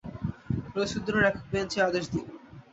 রইস উদ্দিনের একক বেঞ্চ এ আদেশ দেন।